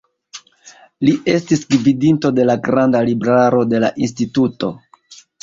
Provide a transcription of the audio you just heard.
Li estis gvidinto de la granda libraro de la instituto.